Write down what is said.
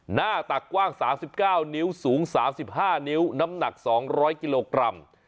หน้าตักกว้างสามสิบเก้านิ้วสูงสามสิบห้านิ้วน้ำหนักสองร้อยกิโลกรัม